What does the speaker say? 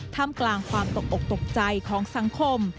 กลางความตกอกตกใจของสังคม